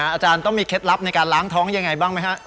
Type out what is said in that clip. อาจารย์ต้องมีเคล็ดลับในการล้างท้องยังไงบ้างไหมฮะ